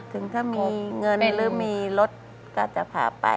ถึงถ้ามีเงินหรือมีรถก็จะพาไป